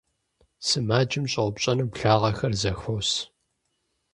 Сымаджэм щӀэупщӀэну благъэхэр зэхуос.